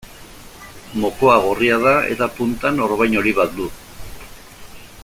Mokoa gorria da, eta puntan orbain hori bat du.